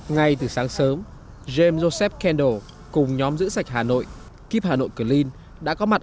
ngay từ sáng sớm james joseph kendal cùng nhóm giữ sạch hà nội kiev hà nội clean đã có mặt